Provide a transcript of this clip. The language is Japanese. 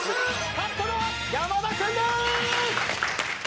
勝ったのは山田君でーす！